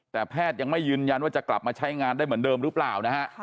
แต่แพทย์ยังไม่ยืนยันว่าจะกลับมาใช้งานได้เหมือนเดิมหรือเปล่านะฮะ